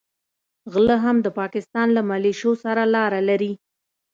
غله هم د پاکستان له مليشو سره لاره لري.